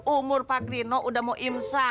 umur pak grino udah mau imsa